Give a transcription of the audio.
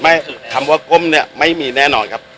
คำว่าก้มเนี่ยไม่มีแน่นอนครับ